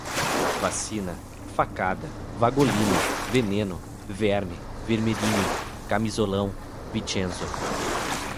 vacina, facada, vagolino, veneno, verme, vermelhinho, camisolão, vichenzo